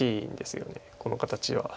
この形は。